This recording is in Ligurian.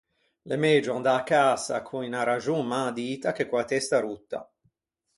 L’é megio andâ à casa con unna raxon mâ dita che co-a testa rotta.